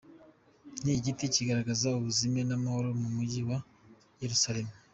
Ni igiti kigaragaza ubuzima n’amahoro mu Mujyi wa Yeruzalemu.